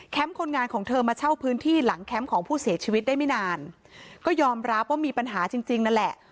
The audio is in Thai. คนงานของเธอมาเช่าพื้นที่หลังแคมป์ของผู้เสียชีวิตได้ไม่นานก็ยอมรับว่ามีปัญหาจริงจริงนั่นแหละ